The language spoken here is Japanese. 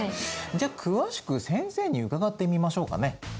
じゃあ詳しく先生に伺ってみましょうかね。